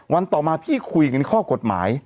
ต่อมาพี่คุยกันข้อกฎหมาย